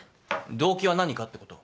動機は何かってこと。